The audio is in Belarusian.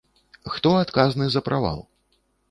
Хто адказны за правал?